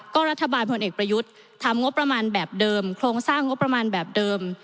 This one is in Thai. ก็รัฐบาลพลเอกประยุทธ์ทำงบประมาณแบบเดิมโครงสร้างงบประมาณแบบเดิม